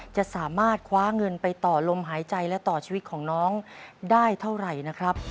จะสามารถคว้าเงินไปต่อลมหายใจและต่อชีวิตของน้องได้เท่าไหร่นะครับ